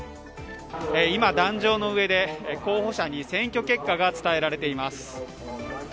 今、壇上の上で候補者に選挙結果が伝えられています。